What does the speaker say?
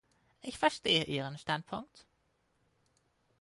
Ich verstehe Ihren Standpunkt.